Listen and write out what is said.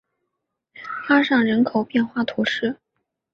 阿尚人口变化图示